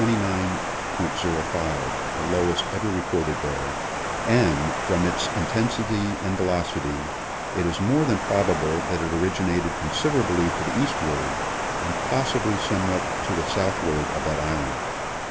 05, the lowest ever recorded there, and, from its intensity and velocity, it is more than probable that it originated consid erably to the eastward, and possibly somewhat to the southward of that island.